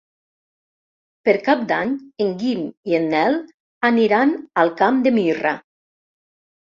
Per Cap d'Any en Guim i en Nel aniran al Camp de Mirra.